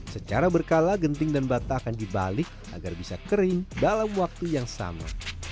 secara berkala genting dan bata akan dibalik agar bisa kering dalam waktu yang sama